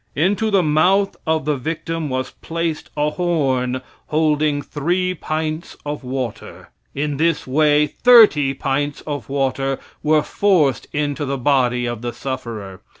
Into the mouth of the victim was placed a horn holding three pints of water. In this way thirty pints of water were forced into the body of the sufferer.